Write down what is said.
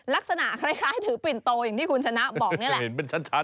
ลักษณะคล้ายถือปินโตอย่างที่คุณชนะบอกนี่แหละ